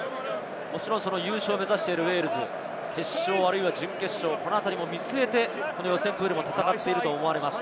もちろん優勝を目指しているウェールズ、決勝あるいは準決勝、このあたりも見据えて予選プールも戦っていると思われます。